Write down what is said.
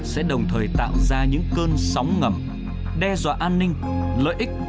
sẽ đồng thời tạo ra những cơn sóng ngầm đe dọa an ninh lợi ích